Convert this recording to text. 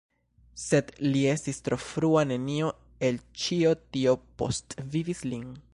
Sed li estis tro frua, nenio el ĉio tio postvivis lin.